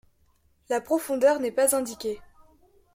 La profondeur n'est pas indiquée.